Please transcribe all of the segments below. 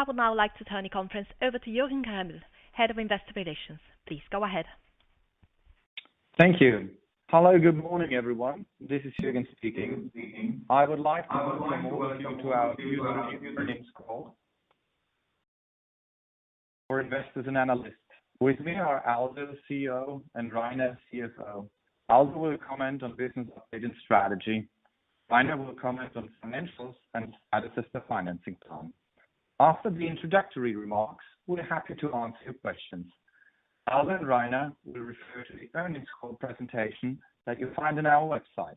I would now like to turn the conference over to Jürgen Rebel, Head of Investor Relations. Please go ahead. Thank you. Hello, good morning, everyone. This is Jürgen speaking. I would like to welcome all of you to our Q3 Earnings Call for Investors and Analysts. With me are Aldo, CEO, and Rainer, CFO. Aldo will comment on business update and strategy. Rainer will comment on financials and address the financing plan. After the introductory remarks, we're happy to answer your questions. Aldo and Rainer will refer to the earnings call presentation that you'll find on our website.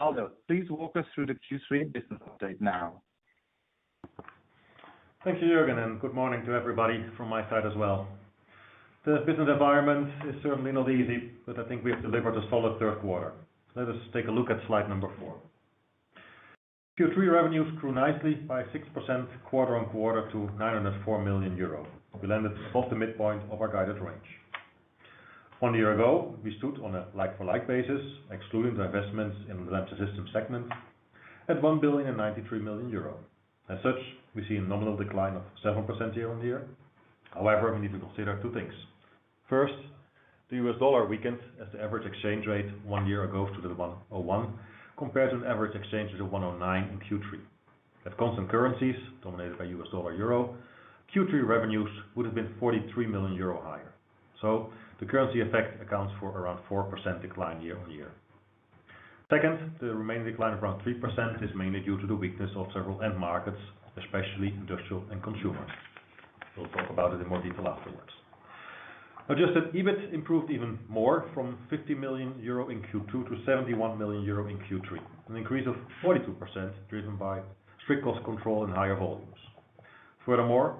Aldo, please walk us through the Q3 business update now. Thank you, Jürgen, and good morning to everybody from my side as well. The business environment is certainly not easy, but I think we have delivered a solid third quarter. Let us take a look at slide four. Q3 revenues grew nicely by 6%, quarter-on-quarter to 904 million euros. We landed above the midpoint of our guided range. One year ago, we stood on a like-for-like basis, excluding the investments in the lamp system segment at 1,093 million euro. As such, we see a nominal decline of 7% year-on-year. However, we need to consider two things. First, the US dollar weakened as the average exchange rate one year ago to the 1.01, compared to an average exchange rate of 1.09 in Q3. At constant currencies, dominated by U.S. dollar, euro, Q3 revenues would have been 43 million euro higher. So the currency effect accounts for around 4% decline year-on-year. Second, the remaining decline of around 3% is mainly due to the weakness of several end markets, especially industrial and consumer. We'll talk about it in more detail afterwards. Adjusted EBIT improved even more from 50 million euro in Q2 to 71 million euro in Q3, an increase of 42%, driven by strict cost control and higher volumes. Furthermore,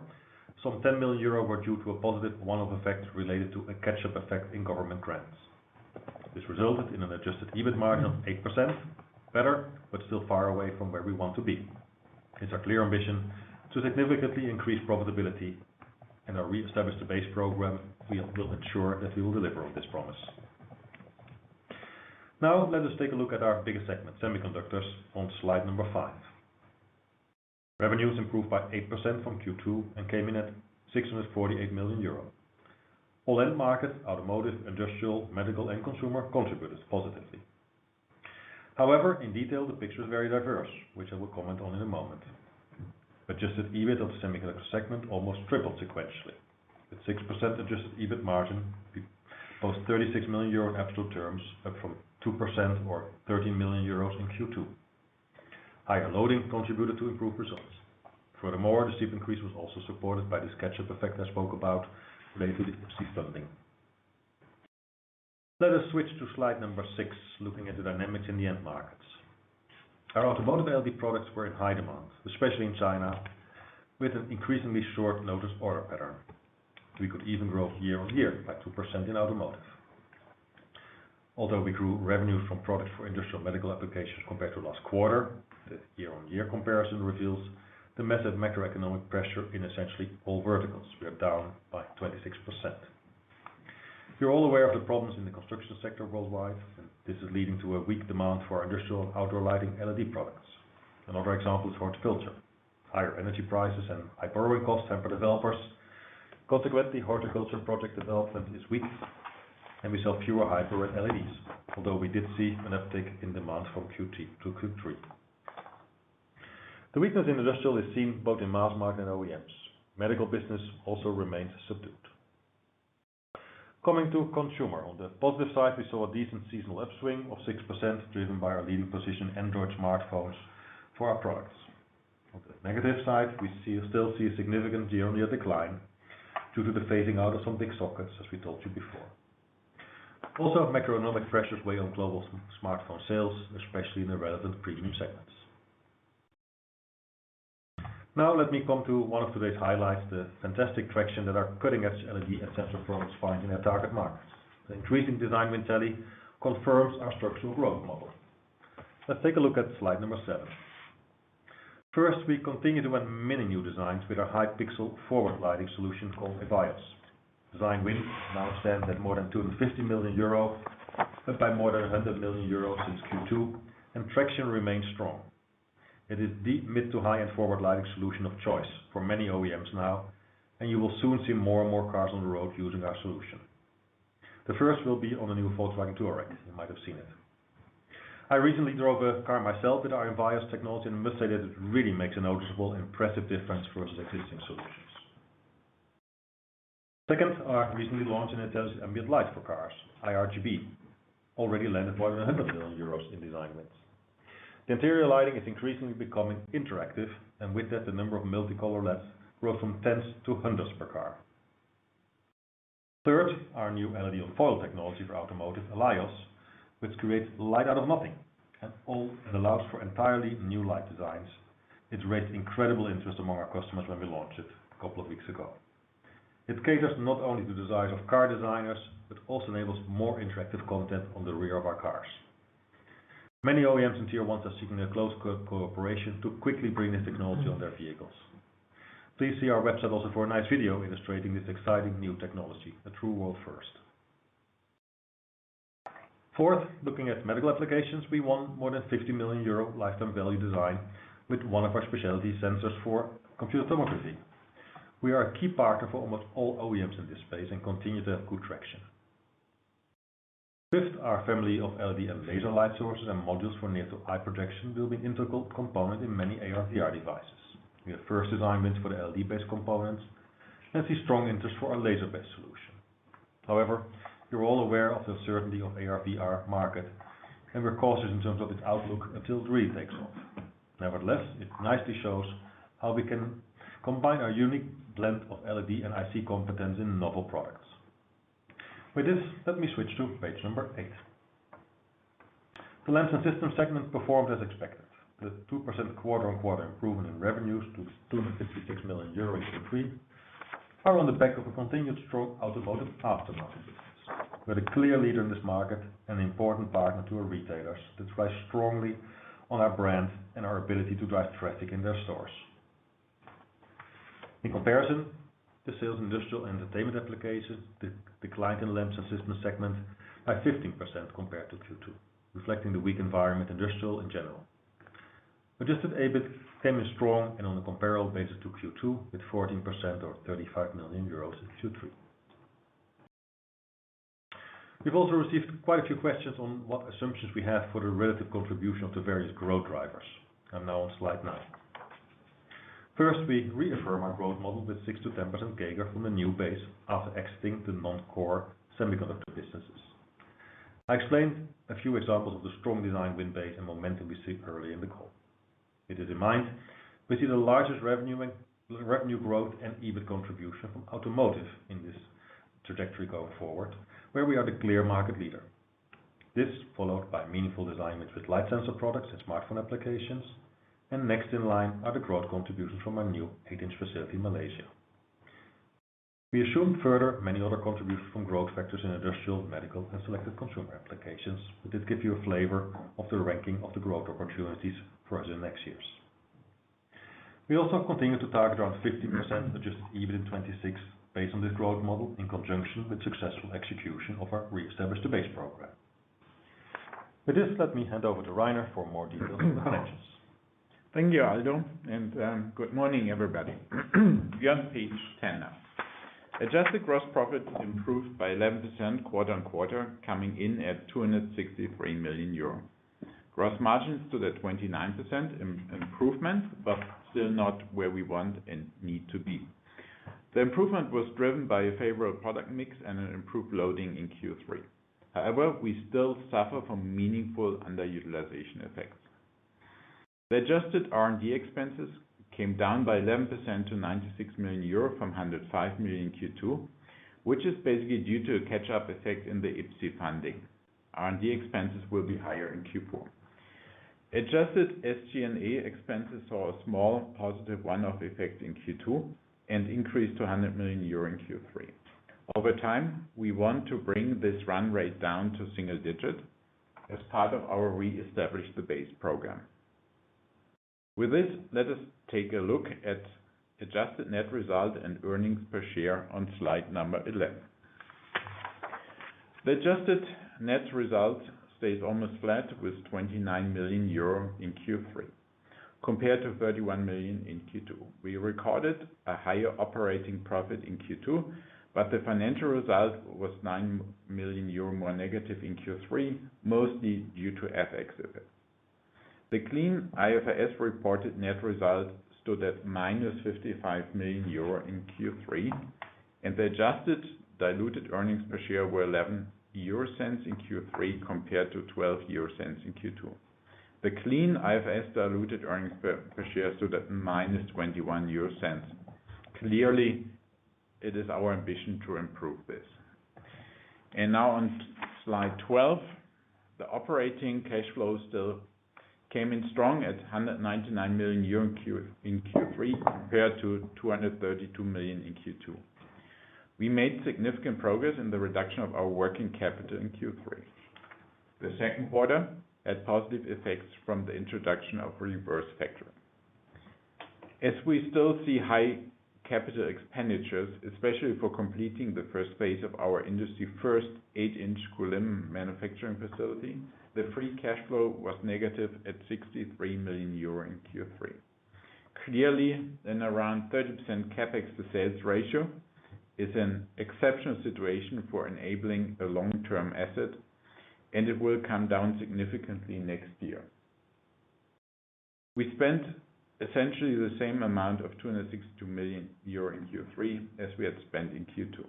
some 10 million euro were due to a positive one-off effect related to a catch-up effect in government grants. This resulted in an adjusted EBIT margin of 8%, better, but still far away from where we want to be. It's our clear ambition to significantly increase profitability and thereby Reestablish the Base program; we will ensure that we will deliver on this promise. Now, let us take a look at our biggest segment, semiconductors, on slide number five. Revenues improved by 8% from Q2 and came in at 648 million euro. All end markets, automotive, industrial, medical, and consumer, contributed positively. However, in detail, the picture is very diverse, which I will comment on in a moment. Adjusted EBIT of the semiconductor segment almost tripled sequentially, with 6% adjusted EBIT margin, both 36 million euro in absolute terms, up from 2% or 13 million euros in Q2. Higher loading contributed to improved results. Furthermore, the steep increase was also supported by this catch-up effect I spoke about related to IPCEI funding. Let us switch to slide number six, looking at the dynamics in the end markets. Our automotive LED products were in high demand, especially in China, with an increasingly short-notice order pattern. We could even grow year-on-year by 2% in automotive. Although we grew revenue from products for industrial medical applications compared to last quarter, the year-on-year comparison reveals the mild macroeconomic pressure in essentially all verticals. We are down by 26%. You're all aware of the problems in the construction sector worldwide, and this is leading to a weak demand for our industrial outdoor lighting LED products. Another example is horticulture. Higher energy prices and high borrowing costs temper developers. Consequently, horticulture project development is weak, and we sell fewer high-power LEDs, although we did see an uptick in demand from Q2 to Q3. The weakness in industrial is seen both in mass-market and OEMs. Medical business also remains subdued. Coming to consumer, on the positive side, we saw a decent seasonal upswing of 6%, driven by our leading position, Android smartphones for our products. On the negative side, we still see a significant year-on-year decline due to the fading out of some big sockets, as we told you before. Also, macroeconomic pressures weigh on global smartphone sales, especially in the relevant premium segments. Now, let me come to one of today's highlights, the fantastic traction that our cutting-edge LED and sensor products find in their target markets. The increasing design win tally confirms our structural growth model. Let's take a look at slide number seven. First, we continue to win many new designs with our high-pixel forward lighting solution called EVIYOS. Design wins now stand at more than 250 million euro, up by more than 100 million euro since Q2, and traction remains strong. It is the mid- to high-end forward lighting solution of choice for many OEMs now, and you will soon see more and more cars on the road using our solution. The first will be on the new Volkswagen Touareg. You might have seen it. I recently drove a car myself with our EVIYOS technology, and I must say that it really makes a noticeable and impressive difference versus existing solutions. Second, our recently launched intense ambient light for cars, iRGB, already landed more than 100 million euros in design wins. The interior lighting is increasingly becoming interactive, and with that, the number of multicolor LEDs grew from tens to hundreds per car. Third, our new LED on foil technology for automotive, ALIYOS, which creates light out of nothing and all it allows for entirely new light designs. It raised incredible interest among our customers when we launched it a couple of weeks ago. It caters not only the desires of car designers, but also enables more interactive content on the rear of our cars. Many OEMs and Tier 1s are seeking a close cooperation to quickly bring this technology on their vehicles. Please see our website also for a nice video illustrating this exciting new technology, a true world first. Fourth, looking at medical applications, we want more than 50 million euro lifetime value design with one of our specialty sensors for computed tomography. We are a key partner for almost all OEMs in this space and continue to have good traction. Fifth, our family of LED and laser light sources and modules for near to eye projection will be an integral component in many AR/VR devices. We have first design wins for the LED-based components, and see strong interest for our laser-based solution. However, you're all aware of the uncertainty of AR/VR market, and we're cautious in terms of its outlook until it really takes off. Nevertheless, it nicely shows how we can combine our unique blend of LED and IC competence in novel products. With this, let me switch to page number eight. The lamps and systems segment performed as expected, with a 2% quarter-on-quarter improvement in revenues to 256 million euros in Q3, are on the back of a continued strong automotive aftermarket business. We're the clear leader in this market and an important partner to our retailers, that rely strongly on our brand and our ability to drive traffic in their stores. In comparison, the sales, industrial, and entertainment applications declined in lamps and systems segment by 15% compared to Q2, reflecting the weak environment, industrial in general. Adjusted EBIT came in strong and on a comparable basis to Q2, with 14% or 35 million euros in Q3. We've also received quite a few questions on what assumptions we have for the relative contribution of the various growth drivers. I'm now on slide nine. First, we reaffirm our growth model with 6%-10% CAGR from the new base after exiting the non-core semiconductor businesses. I explained a few examples of the strong design win base and momentum we see early in the call. With this in mind, we see the largest revenue and, revenue growth and EBIT contribution from automotive in this trajectory going forward, where we are the clear market leader. This, followed by meaningful design wins with light sensor products and smartphone applications, and next in line are the growth contributions from our new 8-inch facility in Malaysia. We assume further many other contributions from growth factors in industrial, medical, and selected consumer applications, but this give you a flavor of the ranking of the growth opportunities for us in the next years. We also continue to target around 50% adjusted EBIT in 2026, based on this growth model, in conjunction with successful execution of our Reestablish the Base program. With this, let me hand over to Rainer for more details on the finances. Thank you, Aldo, and good morning, everybody. We are on page 10 now. Adjusted gross profit is improved by 11% quarter-on-quarter, coming in at 263 million euro. Gross margins to the 29% improvement, but still not where we want and need to be. The improvement was driven by a favorable product mix and an improved loading in Q3. However, we still suffer from meaningful underutilization effects. The adjusted R&D expenses came down by 11% to 96 million euro from 105 million Q2, which is basically due to a catch-up effect in the IPCEI funding. R&D expenses will be higher in Q4. Adjusted SG&A expenses saw a small positive one-off effect in Q2, and increased to 100 million euro in Q3. Over time, we want to bring this run rate down to single digit as part of our Reestablish the Base program. With this, let us take a look at adjusted net result and earnings per share on slide 11. The adjusted net result stays almost flat, with 29 million euro in Q3, compared to 31 million in Q2. We recorded a higher operating profit in Q2, but the financial result was 9 million euro more negative in Q3, mostly due to FX effects. The clean IFRS reported net result stood at -55 million euro in Q3, and the adjusted diluted earnings per share were 0.11 in Q3, compared to 0.12 in Q2. The clean IFRS diluted earnings per share stood at -EUR 0.21. Clearly, it is our ambition to improve this. Now on slide 12, the operating cash flow still came in strong at 199 million euro in Q3, compared to 232 million in Q2. We made significant progress in the reduction of our working capital in Q3. The second quarter had positive effects from the introduction of reverse factoring. As we still see high capital expenditures, especially for completing the first phase of our industry first 8-inch GaN manufacturing facility, the free cash flow was negative at 63 million euro in Q3. Clearly, an around 30% CapEx to sales ratio is an exceptional situation for enabling a long-term asset, and it will come down significantly next year. We spent essentially the same amount of 262 million euro in Q3, as we had spent in Q2.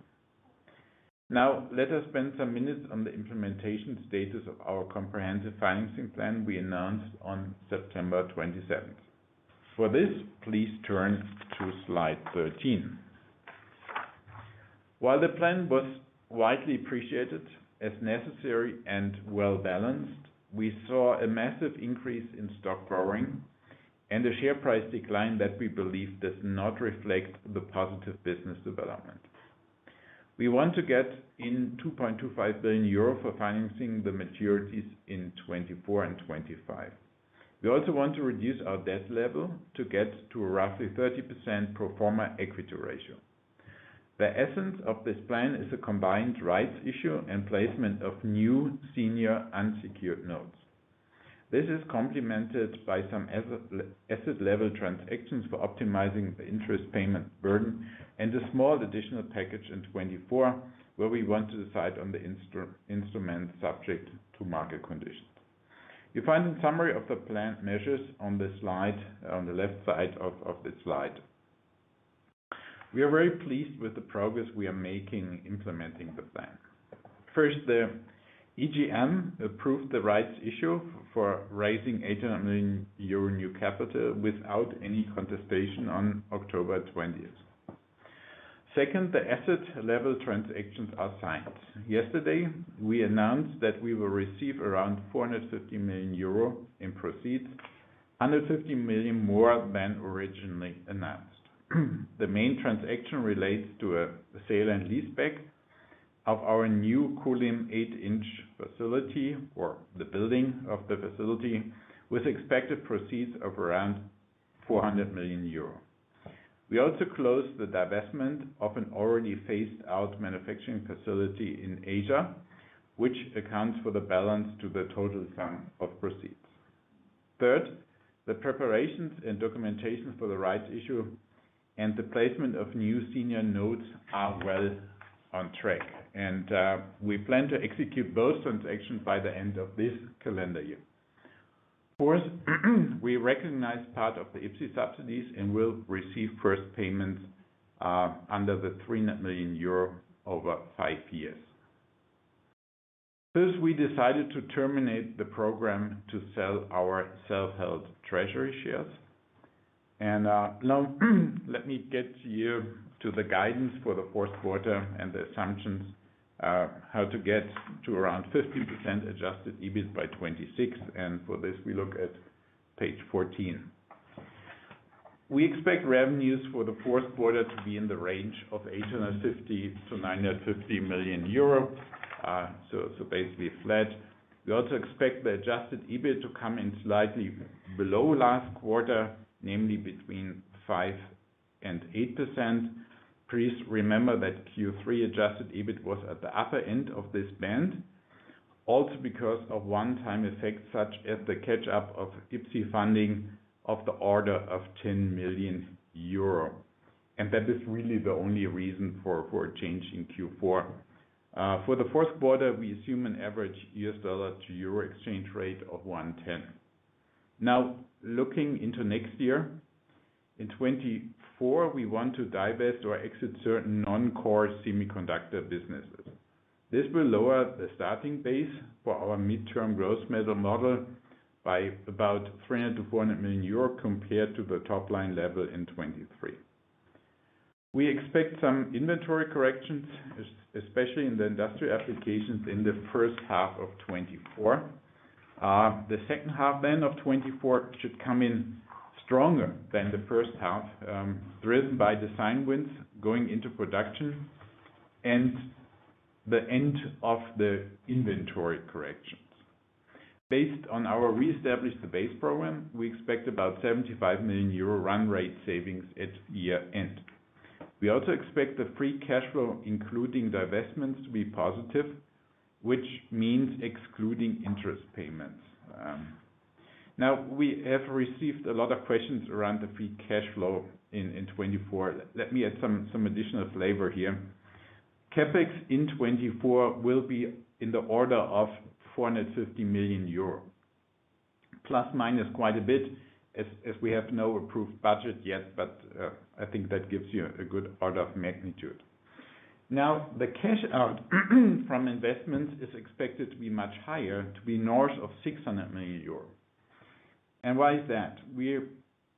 Now, let us spend some minutes on the implementation status of our comprehensive financing plan we announced on September 27. For this, please turn to slide 13. While the plan was widely appreciated as necessary and well-balanced, we saw a massive increase in stock borrowing, and a share price decline that we believe does not reflect the positive business development. We want to get in 2.25 billion euro for financing the maturities in 2024 and 2025. We also want to reduce our debt level to get to a roughly 30% pro forma equity ratio. The essence of this plan is a combined rights issue and placement of new senior unsecured notes. This is complemented by some asset level transactions for optimizing the interest payment burden and a small additional package in 2024, where we want to decide on the instrument subject to market conditions. You find a summary of the planned measures on the slide, on the left side of this slide. We are very pleased with the progress we are making implementing the plan. First, the EGM approved the rights issue for raising 800 million euro new capital without any contestation on October twentieth. Second, the asset level transactions are signed. Yesterday, we announced that we will receive around 450 million euro in proceeds, 150 million more than originally announced. The main transaction relates to a sale and leaseback of our new Kulim eight-inch facility, or the building of the facility, with expected proceeds of around 400 million euro. We also closed the divestment of an already phased-out manufacturing facility in Asia, which accounts for the balance to the total sum of proceeds. Third, the preparations and documentation for the rights issue and the placement of new senior notes are well on track, and we plan to execute both transactions by the end of this calendar year. Fourth, we recognize part of the IPCEI subsidies and will receive first payments under the 3 million euro over five years. First, we decided to terminate the program to sell our self-held treasury shares. And now, let me get you to the guidance for the fourth quarter and the assumptions how to get to around 15% adjusted EBIT by 2026, and for this, we look at page 14. We expect revenues for the fourth quarter to be in the range of 850 million to 950 million euro, so, so basically flat. We also expect the adjusted EBIT to come in slightly below last quarter, namely between 5% and 8%. Please remember that Q3 adjusted EBIT was at the upper end of this band. Also, because of one-time effects, such as the catch-up of IPCEI funding of the order of 10 million euro, and that is really the only reason for a change in Q4. For the fourth quarter, we assume an average U.S. dollar to Euro exchange rate of 1.10. Now, looking into next year, in 2024, we want to divest or exit certain non-core semiconductor businesses. This will lower the starting base for our midterm growth measure model by about 300 million to 400 million euro compared to the top-line level in 2023. We expect some inventory corrections, especially in the industrial applications, in the first half of 2024. The second half of 2024 should come in stronger than the first half, driven by design wins going into production and the end of the inventory corrections. Based on our Reestablish the Base program, we expect about 75 million euro run-rate savings at year-end. We also expect the free cash flow, including divestments, to be positive, which means excluding interest payments. Now, we have received a lot of questions around the free cash flow in 2024. Let me add some additional flavor here. CapEx in 2024 will be in the order of 450 million± quite a bit, as we have no approved budget yet, but I think that gives you a good order of magnitude. Now, the cash out from investments is expected to be much higher, to be north of 600 million euros. And why is that? We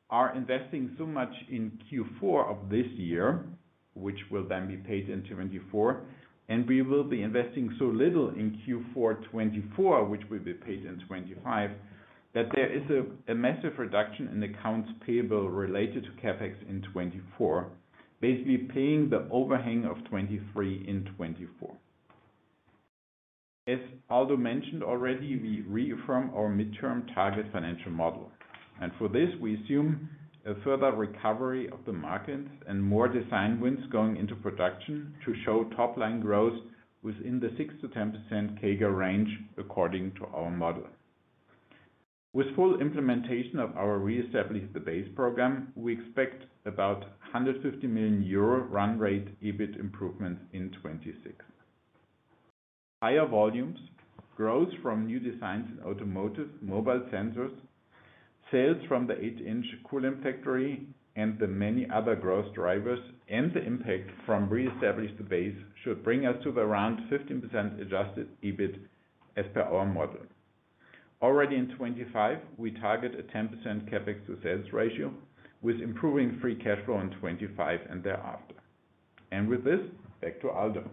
are investing so much in Q4 of this year, which will then be paid in 2024, and we will be investing so little in Q4 2024, which will be paid in 2025, that there is a massive reduction in accounts payable related to CapEx in 2024, basically paying the overhang of 2023 in 2024. As Aldo mentioned already, we reaffirm our midterm target financial model, and for this, we assume a further recovery of the markets and more design wins going into production to show top-line growth within the 6%-10% CAGR range, according to our model. With full implementation of our Reestablish the Base program, we expect about 150 million euro, EBIT improvement in 2026. Higher volumes, growth from new designs in automotive, mobile sensors, sales from the eight-inch Kulim factory, and the many other growth drivers, and the impact from Reestablish the Base, should bring us to around 15% adjusted EBIT, as per our model. Already in 2025, we target a 10% CapEx to sales ratio, with improving free cash flow in 2025 and thereafter. And with this, back to Aldo.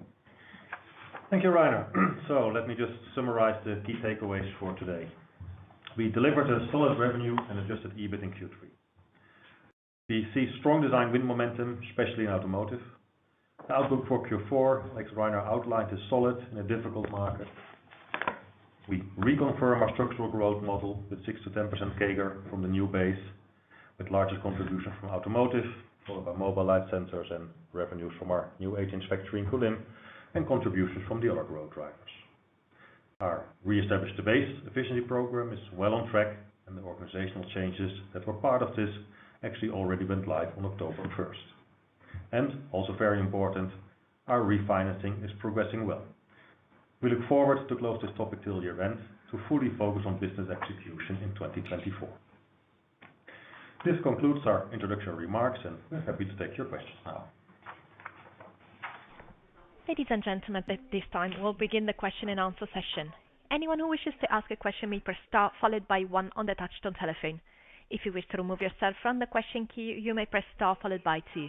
Thank you, Rainer. So let me just summarize the key takeaways for today. We delivered a solid revenue and adjusted EBIT in Q3. We see strong design win momentum, especially in automotive. The outlook for Q4, like Rainer outlined, is solid in a difficult market. We reconfirm our structural growth model with 6%-10% CAGR from the new base, with larger contribution from automotive, followed by mobile light sensors and revenues from our new 8-inch factory in Kulim, and contributions from the other growth drivers. Our Reestablish the Base efficiency program is well on track, and the organizational changes that were part of this actually already went live on October first. And also very important, our refinancing is progressing well. We look forward to close this topic till the event, to fully focus on business execution in 2024. This concludes our introductory remarks, and we're happy to take your questions now. Ladies and gentlemen, at this time, we'll begin the question and answer session. Anyone who wishes to ask a question may press star, followed by one on the touch-tone telephone. If you wish to remove yourself from the question queue, you may press star, followed by two.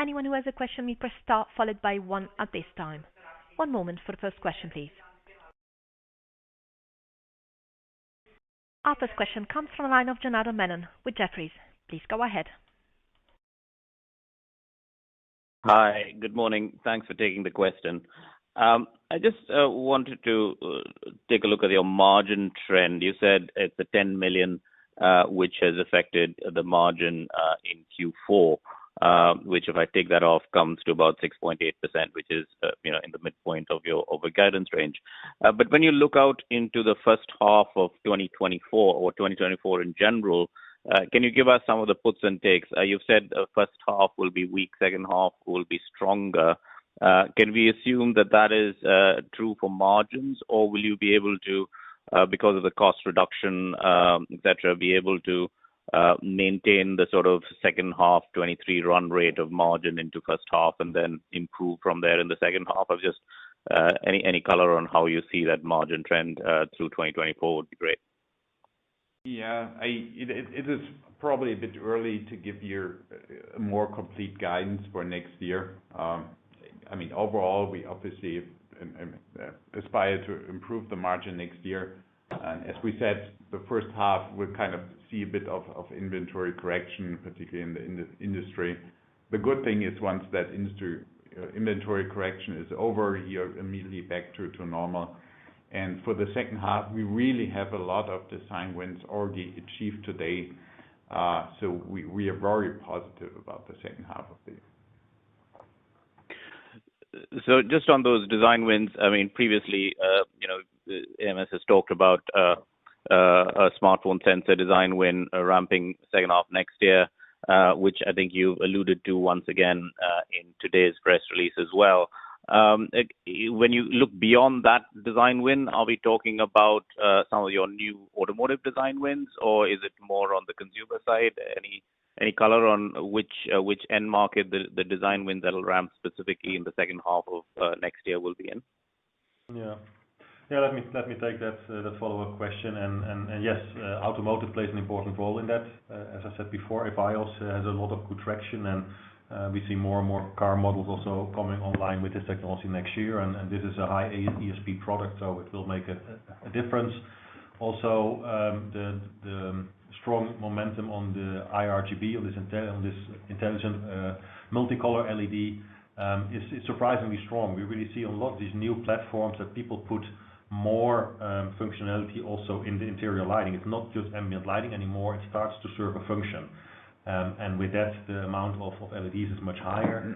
Anyone who has a question may press star, followed by one at this time. One moment for the first question, please. Our first question comes from the line of Janardan Menon with Jefferies. Please go ahead. Hi, good morning. Thanks for taking the question. I just wanted to take a look at your margin trend. You said it's 10 million, which has affected the margin, in Q4, which if I take that off, comes to about 6.8%, which is, you know, in the midpoint of your guidance range. But when you look out into the first half of 2024 or 2024 in general, can you give us some of the puts and takes? You've said the first half will be weak, second half will be stronger. Can we assume that that is true for margins? Or will you be able to, because of the cost reduction, et cetera, be able to, maintain the sort of second half 2023 run rate of margin into first half and then improve from there in the second half? Or just, any color on how you see that margin trend, through 2024 would be great. Yeah. It is probably a bit early to give you a more complete guidance for next year. I mean, overall, we obviously aspire to improve the margin next year. And as we said, the first half will kind of see a bit of inventory correction, particularly in the industry. The good thing is, once that industry inventory correction is over, you're immediately back to normal. And for the second half, we really have a lot of design wins already achieved today. So we are very positive about the second half of the year. So just on those design wins, I mean, previously, you know, AMS has talked about a smartphone sensor design win ramping second half next year, which I think you alluded to once again in today's press release as well. When you look beyond that design win, are we talking about some of your new automotive design wins, or is it more on the consumer side? Any, any color on which, which end market the, the design win that will ramp specifically in the second half of next year will be in? Let me take that, that follow-up question. And, yes, automotive plays an important role in that. As I said before, EVIYOS also has a lot of good traction, and we see more and more car models also coming online with this technology next year, and this is a high ASSP product, so it will make a difference. Also, the strong momentum on the iRGB, on this intelligent, multicolor LED, is surprisingly strong. We really see a lot of these new platforms that people put more functionality also in the interior lighting. It's not just ambient lighting anymore, it starts to serve a function. And with that, the amount of LEDs is much higher.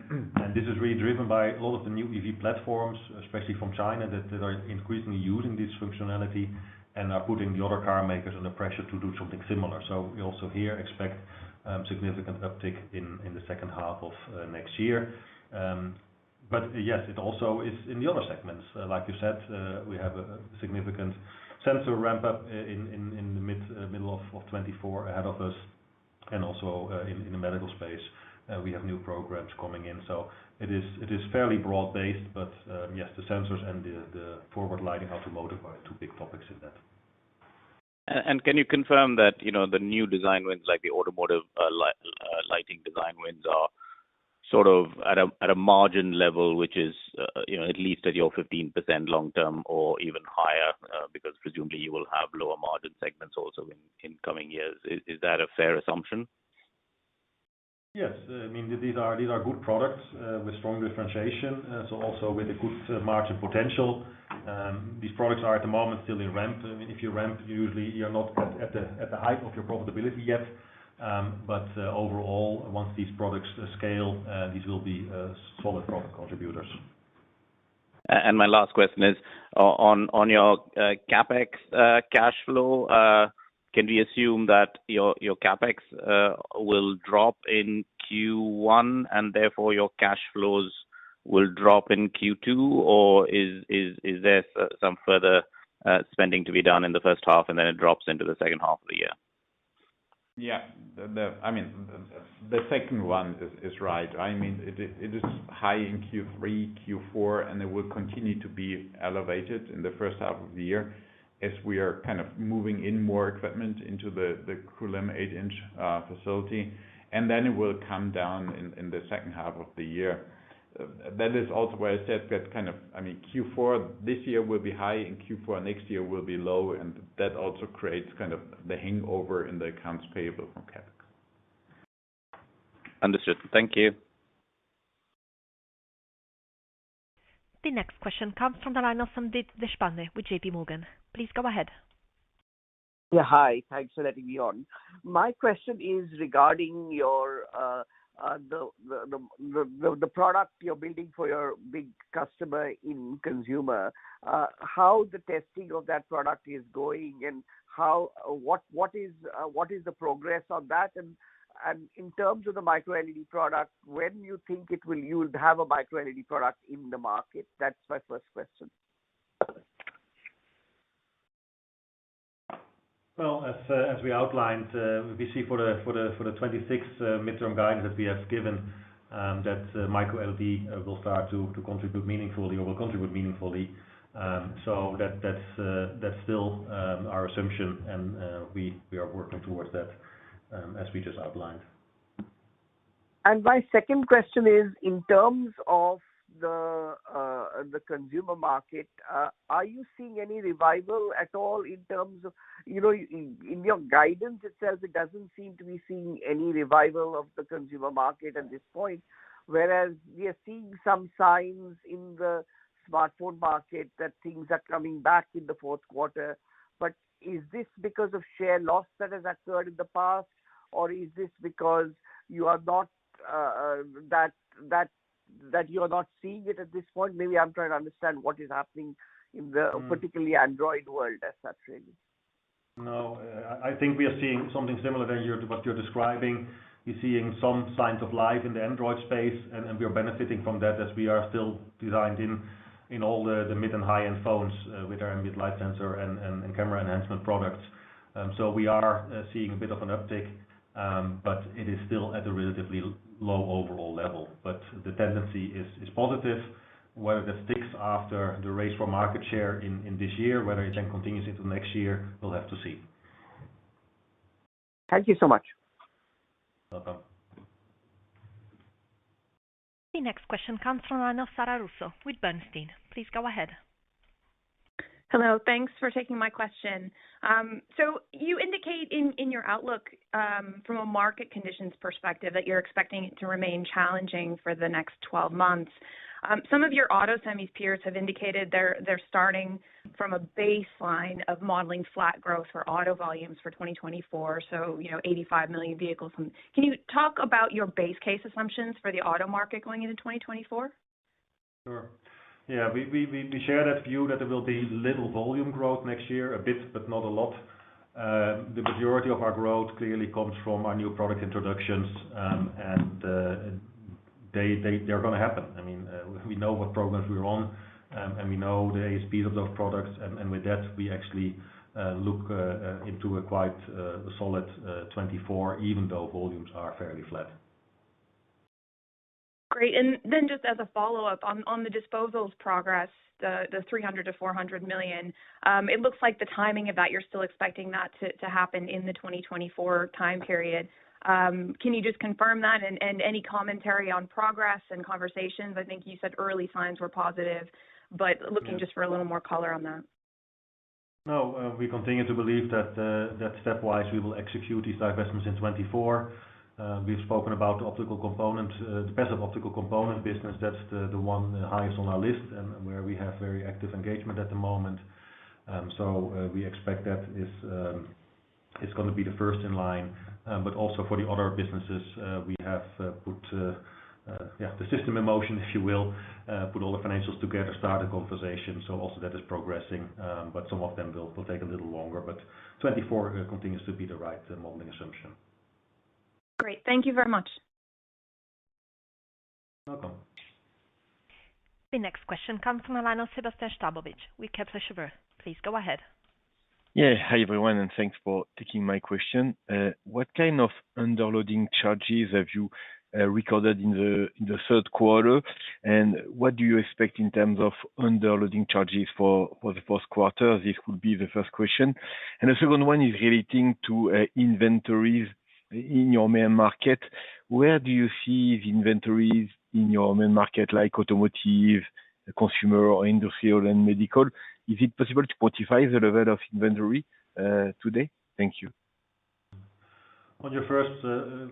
This is really driven by a lot of the new EV platforms, especially from China, that are increasingly using this functionality, and are putting the other car makers under pressure to do something similar. So we also here expect significant uptick in the second half of next year. But yes, it also is in the other segments. Like you said, we have a significant sensor ramp up in the middle of 2024 ahead of us, and also in the medical space. We have new programs coming in, so it is fairly broad-based, but yes, the sensors and the forward lighting automotive are two big topics in that. Can you confirm that, you know, the new design wins, like the automotive lighting design wins, are sort of at a margin level, which is, you know, at least at your 15% long term or even higher, because presumably you will have lower margin segments also in coming years? Is that a fair assumption? Yes. I mean, these are good products, with strong differentiation, so also with a good margin potential. These products are at the moment still in ramp. I mean, if you ramp, usually you're not at the height of your profitability yet. But, overall, once these products scale, these will be, solid profit contributors. My last question is, on your CapEx, cash flow, can we assume that your CapEx will drop in Q1, and therefore your cash flows will drop in Q2? Or is there some further spending to be done in the first half, and then it drops into the second half of the year? Yeah, the second one is right. I mean, it is high in Q3, Q4, and it will continue to be elevated in the first half of the year, as we are kind of moving in more equipment into the Kulim 8-inch facility, and then it will come down in the second half of the year. That is also why I said that I mean, Q4 this year will be high, and Q4 next year will be low, and that also creates kind of the hangover in the accounts payable from CapEx. Understood. Thank you. The next question comes from the line of Sandeep Deshpande with JP Morgan. Please go ahead. Yeah, hi. Thanks for letting me on. My question is regarding the product you're building for your big customer in consumer. How the testing of that product is going and how... What is the progress on that? And in terms of the microLED product, when you think it will you have a microLED product in the market? That's my first question. Well, as we outlined, we see for the 2026 midterm guidance that we have given, that microLED will start to contribute meaningfully or will contribute meaningfully. So that's still our assumption, and we are working towards that, as we just outlined. My second question is, in terms of the consumer market, are you seeing any revival at all in terms of, you know, in your guidance itself, it doesn't seem to be seeing any revival of the consumer market at this point, whereas we are seeing some signs in the smartphone market that things are coming back in the fourth quarter. But is this because of share loss that has occurred in the past? Or is this because you are not seeing it at this point? Maybe I'm trying to understand what is happening in the particularly Android world as such, really. No, I think we are seeing something similar than what you're describing. We're seeing some signs of life in the Android space, and we are benefiting from that as we are still designed in all the mid- and high-end phones with our ambient light sensor and camera enhancement products. So we are seeing a bit of an uptick, but it is still at a relatively low overall level. But the tendency is positive. Whether that sticks after the race for market share in this year, whether it then continues into next year, we'll have to see. Thank you so much. The next question comes from the line of Sara Russo with Bernstein. Please go ahead. Hello, thanks for taking my question. So you indicate in your outlook, from a market conditions perspective, that you're expecting it to remain challenging for the next 12 months. Some of your auto semi peers have indicated they're starting from a baseline of modeling flat growth for auto volumes for 2024, so you know, 85 million vehicles. Can you talk about your base case assumptions for the auto market going into 2024? Sure. Yeah, we share that view that there will be little volume growth next year, a bit, but not a lot. The majority of our growth clearly comes from our new product introductions. And they’re going to happen. I mean, we know what programs we're on, and we know the speed of those products, and with that, we actually look into a quite solid 2024, even though volumes are fairly flat. Great. Just as a follow-up, on the disposals progress, the 300 million to 400 million. It looks like the timing of that, you're still expecting that to happen in the 2024 time period. Can you just confirm that and any commentary on progress and conversations? I think you said early signs were positive, but looking just for a little more color on that. No, we continue to believe that stepwise we will execute these divestments in 2024. We've spoken about the optical component, the passive optical component business. That's the one highest on our list, and where we have very active engagement at the moment. So, we expect that is gonna be the first in line. But also for the other businesses, we have put, yeah, the system in motion, if you will. Put all the financials together, start a conversation, so also that is progressing, but some of them will take a little longer. But 2024 continues to be the right modeling assumption. Great. Thank you very much. Welcome. The next question comes from the line of Sébastien Sztabowicz with Kepler Cheuvreux. Please go ahead. Yeah. Hi, everyone, and thanks for taking my question. What kind of underloading charges have you recorded in the third quarter? And what do you expect in terms of underloading charges for the first quarter? This would be the first question. And the second one is relating to inventories in your main market. Where do you see the inventories in your main market, like automotive, consumer, or industrial, and medical? Is it possible to quantify the level of inventory today? Thank you. On your first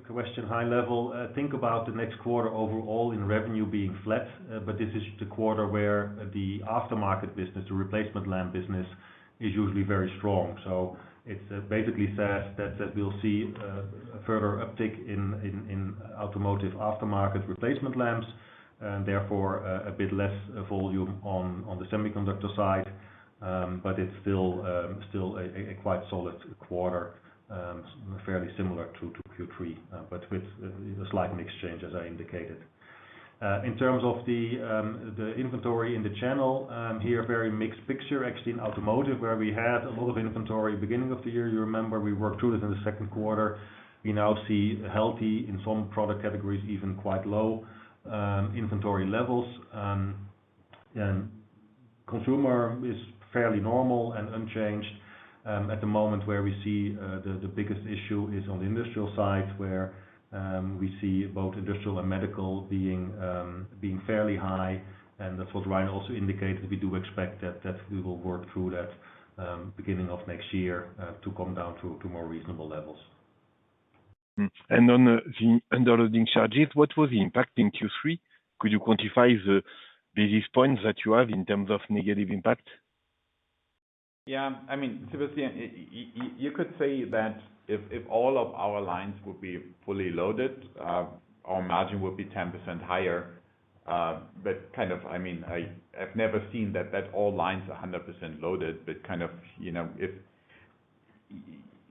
question, high level, think about the next quarter overall in revenue being flat, but this is the quarter where the aftermarket business, the replacement lamp business, is usually very strong. So it basically says that we'll see a further uptick in automotive aftermarket replacement lamps, and therefore, a bit less volume on the semiconductor side. But it's still a quite solid quarter, fairly similar to Q3, but with a slight mix exchange, as I indicated. In terms of the inventory in the channel, here, very mixed picture. Actually, in automotive, where we had a lot of inventory beginning of the year, you remember, we worked through this in the second quarter. We now see healthy, in some product categories, even quite low, inventory levels. Consumer is fairly normal and unchanged. At the moment, the biggest issue is on the industrial side, where we see both industrial and medical being fairly high. And that's what Ryan also indicated. We do expect that we will work through that beginning of next year to come down to more reasonable levels. And on the underloading charges, what was the impact in Q3? Could you quantify the basis points that you have in terms of negative impact? Yeah, I mean, Sébastien, you could say that if all of our lines would be fully loaded, our margin would be 10% higher. But kind of I mean, I've never seen that all lines are 100% loaded. But kind of, you know, if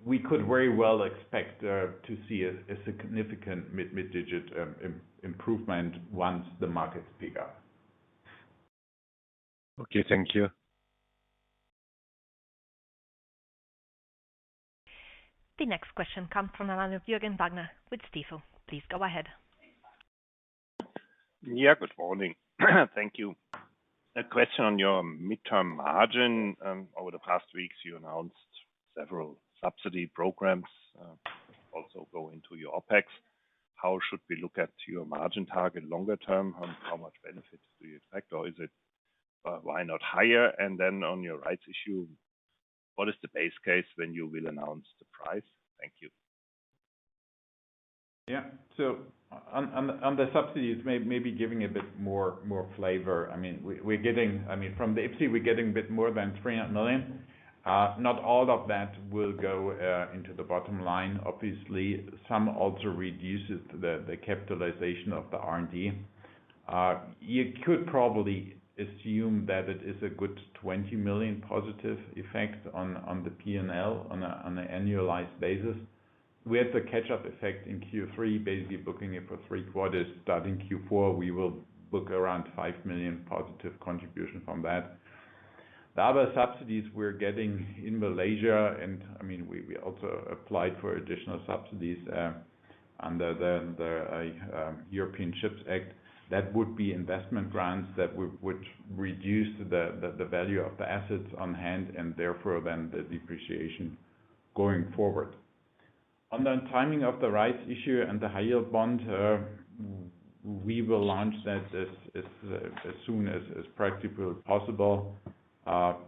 we could very well expect to see a significant mid-digit improvement once the markets pick up. Okay, thank you. The next question comes from the line of Jürgen Wagner with Stifel. Please go ahead. Yeah, good morning. Thank you. A question on your midterm margin. Over the past weeks, you announced several subsidy programs, also go into your OpEx. How should we look at your margin target longer term, and how much benefits do you expect, or is it, why not higher? And then on your rights issue, what is the base case when you will announce the price? Thank you. On the subsidies, maybe giving a bit more flavor. I mean, we're getting. I mean, from the IPCEI, we're getting a bit more than 300 million. Not all of that will go into the bottom line. Obviously, some also reduces the capitalization of the R&D. You could probably assume that it is a good 20 million positive effect on the P&L on a annualized basis. We had the catch-up effect in Q3, basically booking it for three quarters. Starting Q4, we will book around 5 million positive contribution from that. The other subsidies we're getting in Malaysia, and I mean, we also applied for additional subsidies under the European Chips Act. That would be investment grants that would reduce the value of the assets on hand and therefore then the depreciation going forward. On the timing of the Rights Issue and the high-yield bond, we will launch that as soon as practicable possible.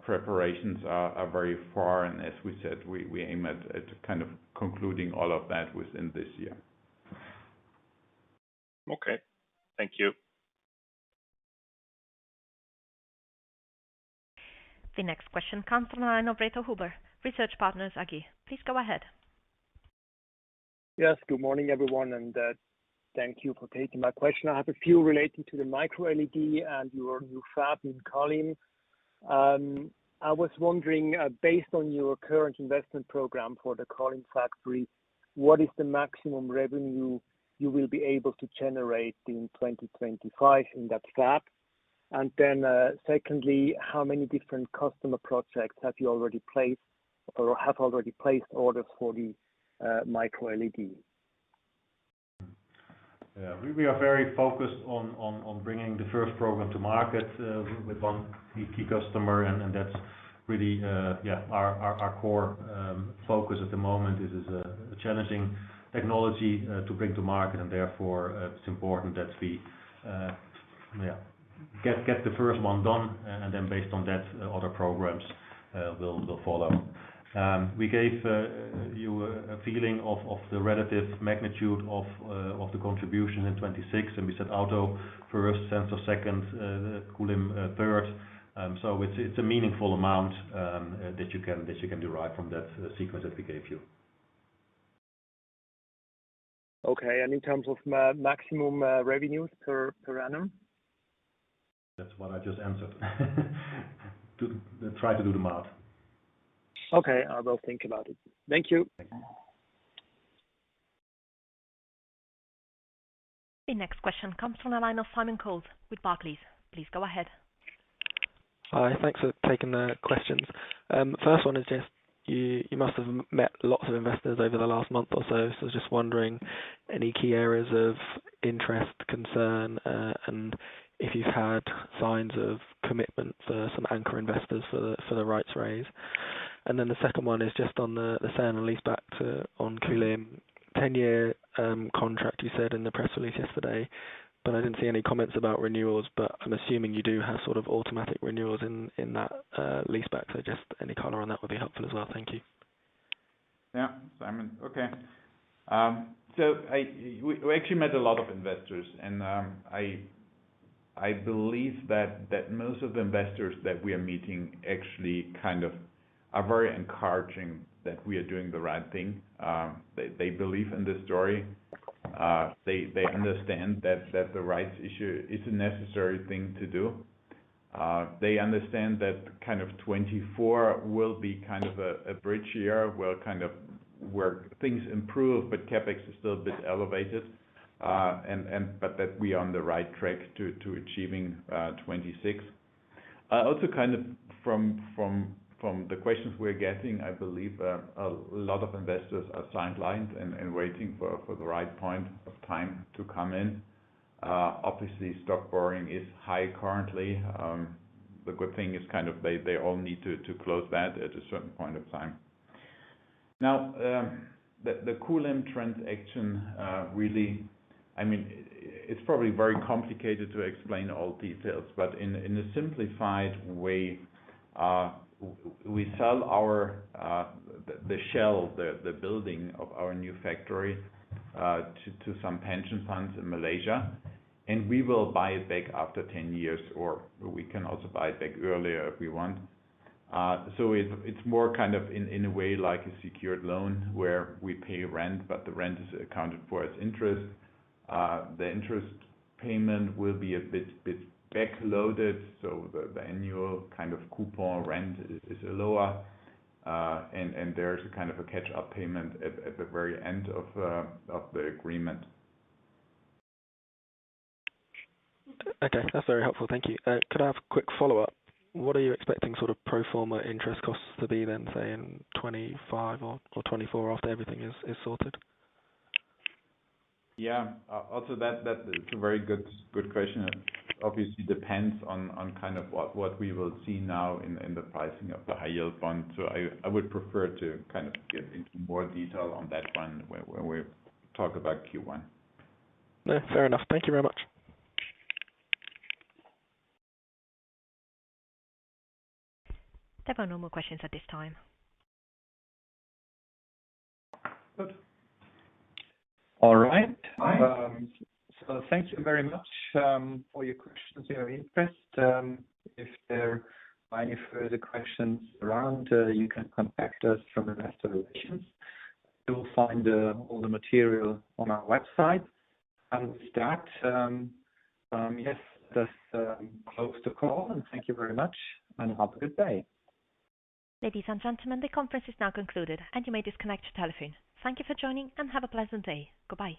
Preparations are very far, and as we said, we aim at kind of concluding all of that within this year. Okay. Thank you. The next question comes from the line of Reto Huber, Research Partners AG. Please go ahead. Yes, good morning, everyone, and thank you for taking my question. I have a few relating to the microLED and your new fab in Kulim. I was wondering, based on your current investment program for the Kulim factory, what is the maximum revenue you will be able to generate in 2025 in that fab? And then, secondly, how many different customer projects have you already placed or have already placed orders for the microLED? Yeah, we are very focused on bringing the first program to market with one key customer, and that's really yeah, our core focus at the moment. This is a challenging technology to bring to market, and therefore it's important that we yeah, get the first one done, and then based on that, other programs will follow. We gave you a feeling of the relative magnitude of the contribution in 2026, and we said auto first, sensor second, Kulim third. So it's a meaningful amount that you can derive from that sequence that we gave you. Okay. In terms of maximum revenues per annum? That's what I just answered. To try to do the math. Okay, I will think about it. Thank you. Thanks. The next question comes from the line of Simon Coles with Barclays. Please go ahead. Hi, thanks for taking the questions. First one is just, you, you must have met lots of investors over the last month or so. So just wondering, any key areas of interest, concern, and if you've had signs of commitment for some anchor investors for the, for the rights raise? And then the second one is just on the, the sale and leaseback to, on Kulim. 10-year contract, you said in the press release yesterday, but I didn't see any comments about renewals, but I'm assuming you do have sort of automatic renewals in, in that, leaseback. So just any color on that would be helpful as well. Thank you. Yeah. Simon. Okay. So we actually met a lot of investors, and I believe that most of the investors that we are meeting actually kind of are very encouraging that we are doing the right thing. They believe in the story. They understand that the Rights Issue is a necessary thing to do. They understand that kind of 2024 will be kind of a bridge year, where things improve, but CapEx is still a bit elevated, but that we are on the right track to achieving 2026. Also kind of from the questions we're getting, I believe a lot of investors are sidelined and waiting for the right point of time to come in. Obviously, stock borrowing is high currently. The good thing is kind of they all need to close that at a certain point of time. Now, the Kulim transaction really, I mean, it's probably very complicated to explain all details, but in a simplified way. We sell our the shell, the building of our new factory to some pension funds in Malaysia, and we will buy it back after 10 years, or we can also buy it back earlier if we want. So it, it's more kind of in a way, like a secured loan where we pay rent, but the rent is accounted for as interest. The interest payment will be a bit backloaded, so the annual kind of coupon rent is lower. And there's a kind of catch-up payment at the very end of the agreement. Okay, that's very helpful. Thank you. Could I have a quick follow-up? What are you expecting sort of pro forma interest costs to be then, say, in 2025 or 2024 after everything is sorted? Yeah. Also, that is a very good question. Obviously, it depends on kind of what we will see now in the pricing of the high yield bond. So I would prefer to kind of get into more detail on that one when we talk about Q1. Yeah, fair enough. Thank you very much. There are no more questions at this time. Good. All right. So thank you very much for your questions and your interest. If there are any further questions around, you can contact us from Investor Relations. You will find all the material on our website. And with that, yes, let's close the call and thank you very much, and have a good day. Ladies and gentlemen, the conference is now concluded, and you may disconnect your telephone. Thank you for joining, and have a pleasant day. Goodbye.